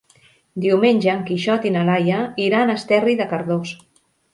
Diumenge en Quixot i na Laia iran a Esterri de Cardós.